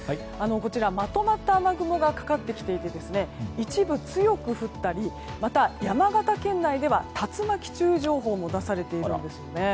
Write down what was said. こちらまとまった雨雲がかかっていて一部強く降ったりまた、山形県内では竜巻注意情報も出されているんですね。